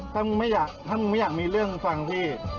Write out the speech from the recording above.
ถ้ามึงไม่อยากถ้ามึงไม่อยากมีเรื่องฟังพี่